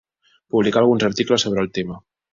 Publicà alguns articles sobre el tema.